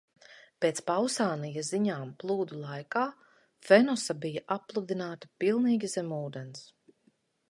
Pēc Pausānija ziņām plūdu laikā Fenosa bija appludināta pilnīgi zem ūdens.